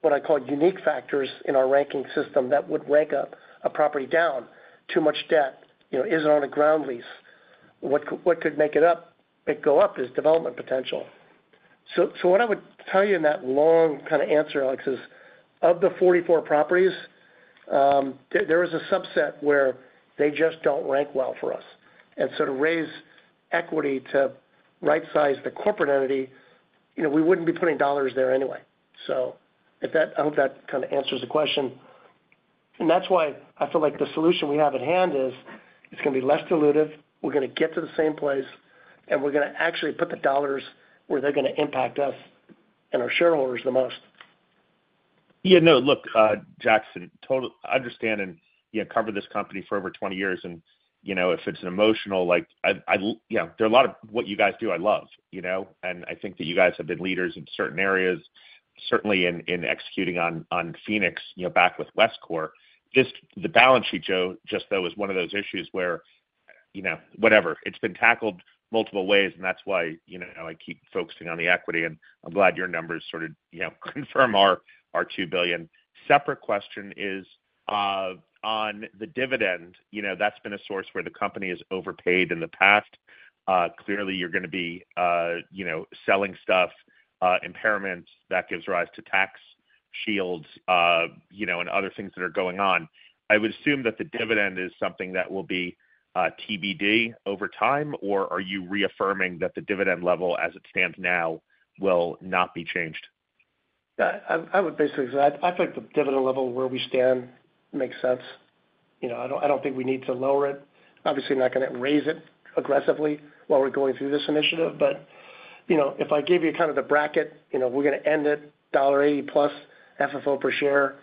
what I call unique factors in our ranking system that would rank up a property down. Too much debt, you know, is it on a ground lease? What could make it go up is development potential. So, what I would tell you in that long kind of answer, Alex, is of the 44 properties, there is a subset where they just don't rank well for us. And so to raise equity to rightsize the corporate entity, you know, we wouldn't be putting dollars there anyway. So if that, I hope that kind of answers the question. And that's why I feel like the solution we have at hand is, it's gonna be less dilutive, we're gonna get to the same place, and we're gonna actually put the dollars where they're gonna impact us and our shareholders the most. Yeah, no, look, Jackson, totally, I understand, and you have covered this company for over 20 years, and you know, if it's an emotional, like I love, you know, there are a lot of what you guys do, I love, you know? And I think that you guys have been leaders in certain areas, certainly in executing on Phoenix, you know, back with Westcor. Just the balance sheet, Joe, just though, is one of those issues where, you know, whatever, it's been tackled multiple ways, and that's why, you know, I keep focusing on the equity, and I'm glad your numbers sort of, you know, confirm our $2 billion. Separate question is on the dividend. You know, that's been a source where the company has overpaid in the past. Clearly, you're gonna be, you know, selling stuff, impairments that gives rise to tax shields, you know, and other things that are going on. I would assume that the dividend is something that will be TBD over time, or are you reaffirming that the dividend level as it stands now will not be changed? Yeah, I would basically say, I think the dividend level where we stand makes sense. You know, I don't think we need to lower it. Obviously, we're not gonna raise it aggressively while we're going through this initiative. But, you know, if I gave you kind of the bracket, you know, we're gonna end it $80+ FFO per share,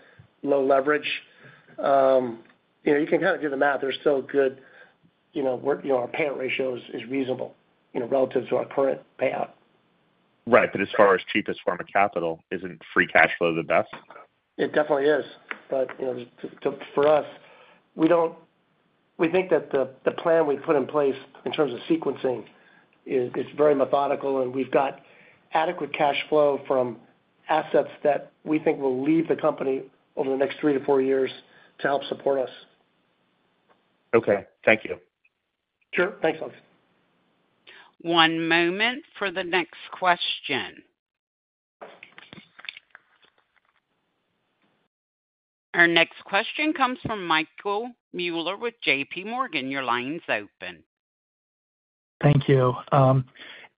low leverage. You know, you can kind of do the math. There's still good, you know, work, you know, our payout ratio is reasonable, you know, relative to our current payout. Right. But as far as cheapest form of capital, isn't free cash flow the best? It definitely is. But, you know, for us, we don't... We think that the plan we've put in place in terms of sequencing is very methodical, and we've got adequate cash flow from assets that we think will leave the company over the next three to four years to help support us. Okay, thank you. Sure. Thanks, Alex. One moment for the next question. Our next question comes from Michael Mueller with JP Morgan. Your line's open. Thank you.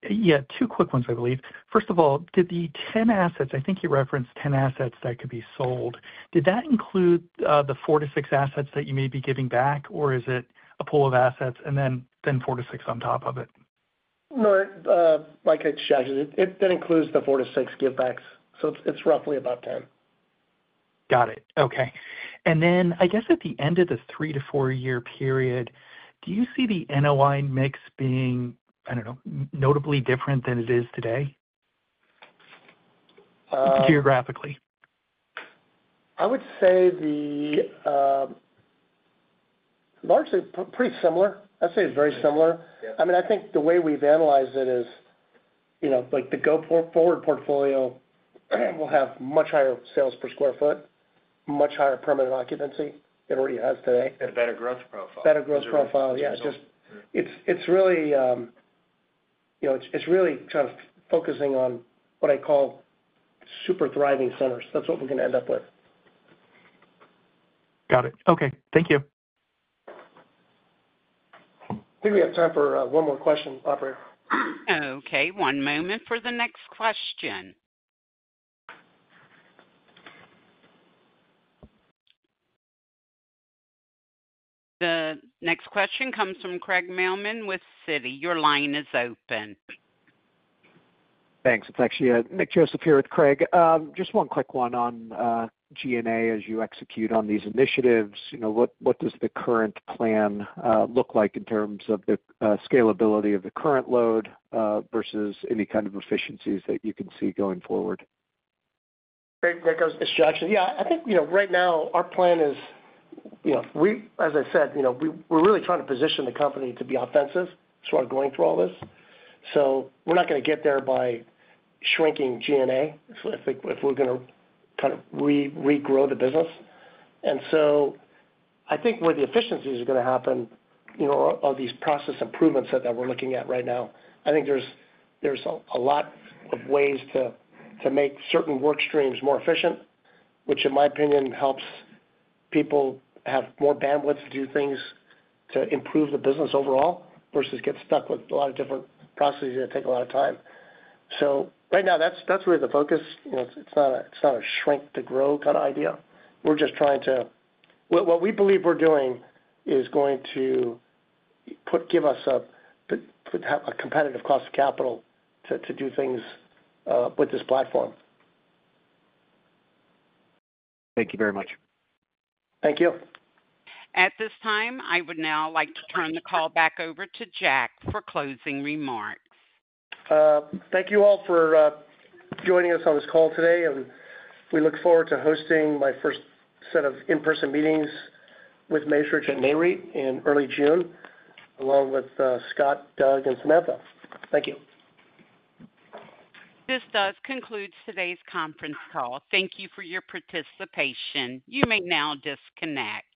Yeah, two quick ones, I believe. First of all, did the 10 assets, I think you referenced 10 assets that could be sold, did that include the 4-6 assets that you may be giving back, or is it a pool of assets and then 4-6 on top of it? No, like I said, it then includes the 4-6 givebacks, so it's roughly about 10. Got it. Okay. And then I guess at the end of the 3-4-year period, do you see the NOI mix being, I don't know, notably different than it is today? Uh. Geographically. I would say the largely pretty similar. I'd say it's very similar. Yeah. I mean, I think the way we've analyzed it is, you know, like, the go-forward portfolio will have much higher sales per square foot, much higher permanent occupancy it already has today. A better growth profile. Better growth profile, yeah. Sure. It's really, you know, kind of focusing on what I call super thriving centers. That's what we're gonna end up with. Got it. Okay. Thank you. I think we have time for one more question, operator. Okay, one moment for the next question. The next question comes from Craig Mailman with Citi. Your line is open. Thanks. It's actually, Nick Joseph here with Craig. Just one quick one on, G&A as you execute on these initiatives. You know, what, what does the current plan, look like in terms of the, scalability of the current load, versus any kind of efficiencies that you can see going forward? Great. Craig, it's Jackson. Yeah, I think, you know, right now, our plan is... You know, we, as I said, you know, we, we're really trying to position the company to be offensive, so we're going through all this. So we're not gonna get there by shrinking G&A, so I think if we're gonna kind of regrow the business. And so I think where the efficiencies are gonna happen, you know, are these process improvements that we're looking at right now. I think there's a lot of ways to make certain work streams more efficient, which in my opinion, helps people have more bandwidth to do things, to improve the business overall, versus get stuck with a lot of different processes that take a lot of time. Right now, that's where the focus, you know, is. It's not a shrink-to-grow kind of idea. We're just trying to... What we believe we're doing is going to give us a competitive cost of capital to do things with this platform. Thank you very much. Thank you. At this time, I would now like to turn the call back over to Jack for closing remarks. Thank you all for joining us on this call today, and we look forward to hosting my first set of in-person meetings with Macerich and Macerich REIT in early June, along with Scott, Doug, and Samantha. Thank you. This does conclude today's conference call. Thank you for your participation. You may now disconnect.